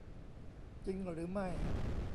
จริงหรือไม่